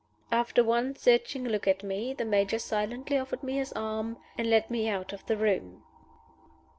After one searching look at me, the Major silently offered me his arm, and led me out of the room.